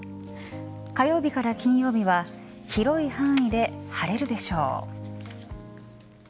火曜日から金曜日は広い範囲で晴れるでしょう。